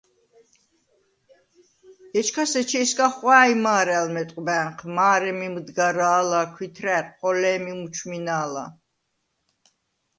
ეჩქას ეჩეჲსგა ხუ̂ა̄̈ჲ მა̄რა̄̈ლ მეტყუ̂ბა̄̈ნხ: მა̄რემი მჷდგარა̄ლა, ქუ̂ითრა̈რ, ხოლე̄მი მუჩ̈უ̂მინა̄ლა.